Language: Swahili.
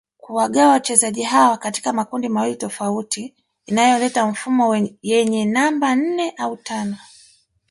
kuwagawa wachezaji hawa katika makundi mawili tofauti inayoleta mifumo yenye namba nne au tano